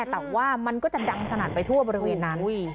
แต่ว่ามันก็จะดังสนั่นไปทั่วบริเวณนั้น